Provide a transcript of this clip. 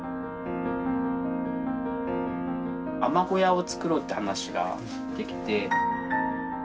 海女小屋をつくろうって話ができて。